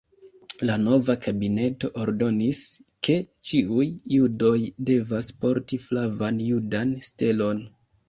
La nova kabineto ordonis, ke ĉiuj judoj devas porti flavan judan stelon.